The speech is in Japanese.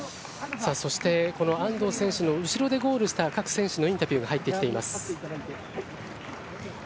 そして、この安藤選手の後ろでゴールした各選手のインタビューが入ってきています。